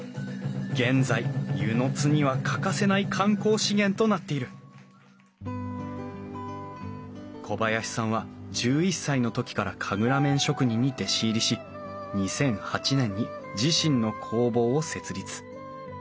現在温泉津には欠かせない観光資源となっている小林さんは１１歳の時から神楽面職人に弟子入りし２００８年に自身の工房を設立。